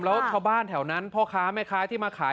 แล้วชาวบ้านแถวนั้นพ่อค้าไม้ค้า